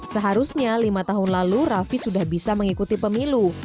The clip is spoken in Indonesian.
seharusnya lima tahun lalu raffi sudah bisa mengikuti pemilu